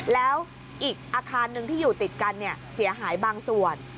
แล้วอีกอาคารหนึ่งที่อยู่ติดกันเสียหายบางส่วน